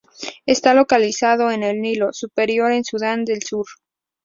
Está localizado en el Nilo Superior en Sudán del Sur.